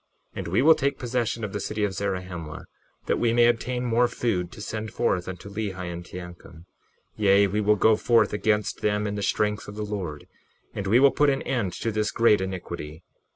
61:18 And we will take possession of the city of Zarahemla, that we may obtain more food to send forth unto Lehi and Teancum; yea, we will go forth against them in the strength of the Lord, and we will put an end to this great iniquity.